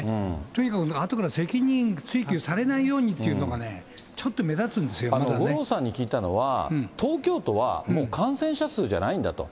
とにかくあとから責任追及されないようにっていうのがね、あのね、五郎さんに聞いたのは、東京都はもう感染者数じゃないんだと。